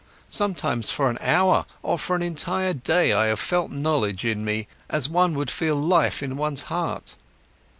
Sometimes, for an hour or for an entire day, I have felt knowledge in me, as one would feel life in one's heart.